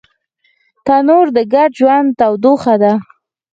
تنور د ګډ ژوند تودوخه ده